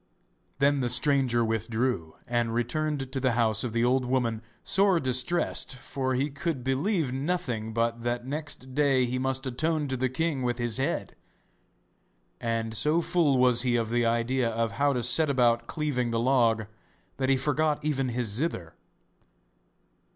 Then the stranger withdrew, and returned to the house of the old woman sore distressed, for he could believe nothing but that next day he must atone to the king with his head. And so full was he of the idea of how to set about cleaving the log that he forgot even his zither.